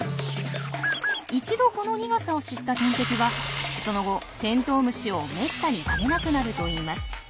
一度この苦さを知った天敵はその後テントウムシをめったに食べなくなるといいます。